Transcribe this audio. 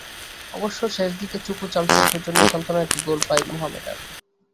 অবশ্য শেষ দিকে চুকো চার্লসের সৌজন্যে সান্ত্বনার একটি গোল পায় মোহামেডান।